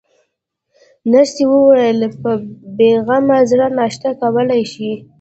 نرسې وویل: په بې غمه زړه ناشته کولای شئ.